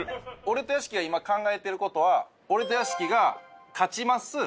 俺と屋敷が今考えてる事は俺と屋敷が勝ちます。